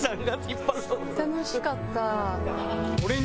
楽しかった。